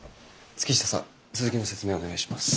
月下さん続きの説明お願いします。